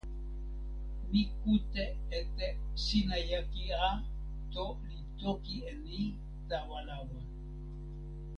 mi kute e te "sina jaki a" to li toki e ni tawa lawa.